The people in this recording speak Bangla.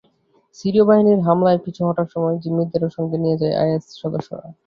সিরীয় বাহিনীর হামলায় পিছু হটার সময় জিম্মিদেরও সঙ্গে নিয়ে যায় আইএস সদস্যরা।